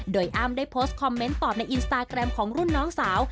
โดยอ้ำได้โพสต์คอมเมนต์ตอบในอินสตาแกรมของรุ่นน้องสาว